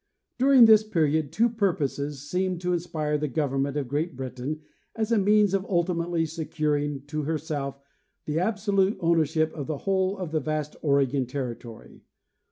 During this period two purposes seemed to inspire the govern ment of Great Britain as a means of: ultimately securing to her self the absolute ownership of the whole of the vast Oregon territory.